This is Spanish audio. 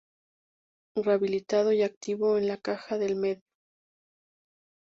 Rehabilitado y activo en la caja del medio.